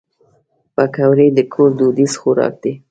پکورې د کور دودیز خوراک دی